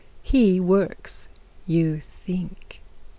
He works, you think.